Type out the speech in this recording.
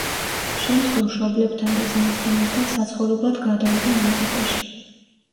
შემდგომ მშობლებთან და ძმასთან ერთად საცხოვრებლად გადავიდა ამერიკაში.